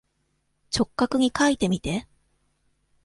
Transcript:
直角にかいてみて。